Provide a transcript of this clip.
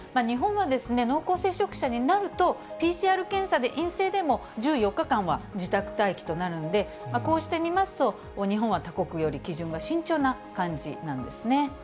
日本は濃厚接触者になると、ＰＣＲ検査で陰性でも、１４日間は自宅待機となるんで、こうして見ますと、日本は他国より基準が慎重な感じなんですね。